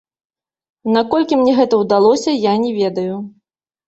Наколькі мне гэта ўдалося, я не ведаю.